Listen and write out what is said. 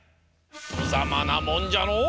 ぶざまなもんじゃのう。